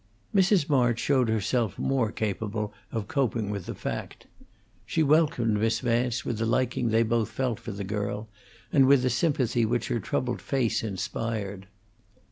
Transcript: Mrs. March showed herself more capable of coping with the fact. She welcomed Miss Vance with the liking they both felt for the girl, and with the sympathy which her troubled face inspired.